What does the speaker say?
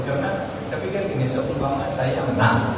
karena kita pikir ini seumpama saya yang menang